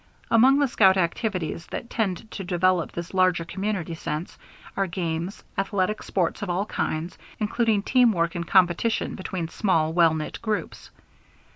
Among the scout activities that tend to develop this larger community sense are games, athletic sports of all kinds, including team work and competition between small, well knit groups.